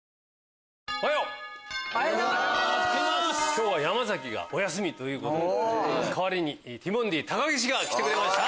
今日は山崎がお休みということで代わりにティモンディ・高岸が来てくれました。